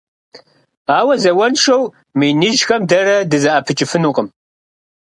Ауэ, зауэншэу мы иныжьхэм дэрэ дызэӀэпыкӀыфынукъым.